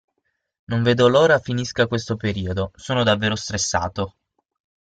Non vedo l'ora finisca questo periodo, sono davvero stressato.